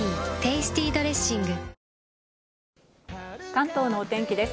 関東のお天気です。